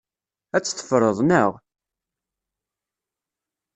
Ad tt-teffreḍ, naɣ?